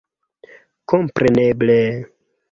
Kompreneble...